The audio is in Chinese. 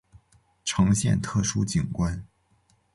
呈现特殊景观